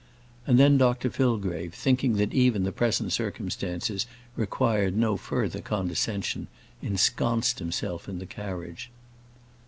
And then Dr Fillgrave, thinking that even the present circumstances required no further condescension, ensconced himself in the carriage.